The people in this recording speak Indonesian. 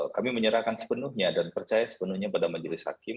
kami menyerahkan sepenuhnya dan percaya sepenuhnya pada majelis hakim